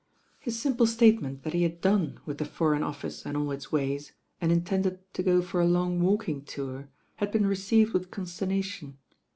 His simple statement that he had done with the Foreign Office and all its ways, and intended to go for a long walking tour, had been received with con sternation.